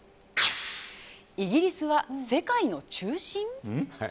イギリスは世界の中心？